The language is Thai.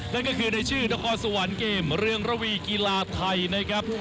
นั่นก็คือในชื่อนครสวรรค์เกมเรืองระวีกีฬาไทยนะครับ